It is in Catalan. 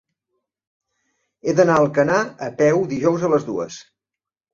He d'anar a Alcanar a peu dijous a les dues.